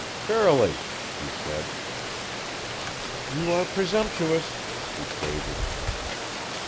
"Shirley," he said. "You are presumptuous," she quavered.